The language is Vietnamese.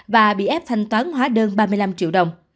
và bị ép thanh toán hóa đơn ba mươi năm triệu đồng